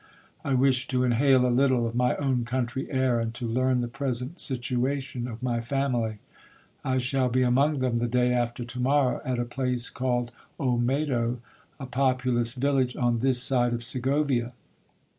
I wish to inhale a little of my own country air, and to learn the present situation of my family. I shall be among them the day after to morrow, at a place called Olmedo, a populous village on this side of Segovia.